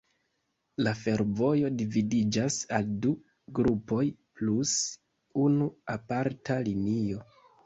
La fervojo dividiĝas al du grupoj plus unu aparta linio.